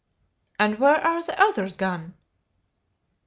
"And where are the others gone?"